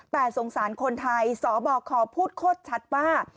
แต่สงสารคนไทยสบคพูดโคตรชัดว่า